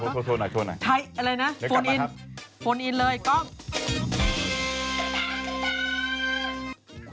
กล้องภิยะกรี๊ดแตก